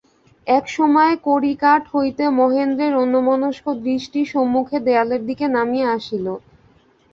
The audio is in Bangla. একসময় কড়িকাঠ হইতে মহেন্দ্রের অন্যমনস্ক দৃষ্টি সম্মুখের দেয়ালের দিকে নামিয়া আসিল।